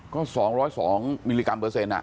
ก็๒๐๒มิลลิกรัมเปอร์เซ็นต์